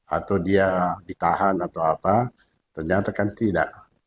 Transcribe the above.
atau dia ditahan atau apa ternyata kan tidak